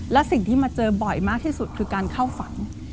และสิ่งที่มาเจอบ่อยมากที่สุดคือการเข้าฝัน